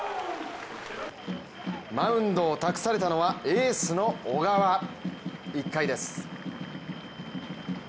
マウンドを託されたのはエースの小川、１回です。